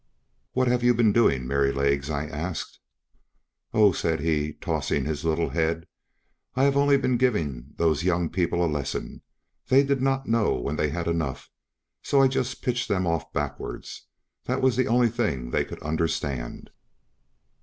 "What have you been doing, Merrylegs?" I asked. "Oh!" said he, tossing his little head, "I have only been giving those young people a lesson; they did not know when they had enough, so I just pitched them off backwards; that was the only thing they could understand."